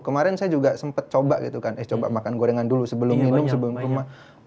kemarin saya juga sempat coba gitu kan eh coba makan gorengan dulu sebelum minum sebelum rumah